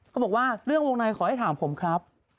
บอกว่าเรื่องวงในขอให้ถามผมครับ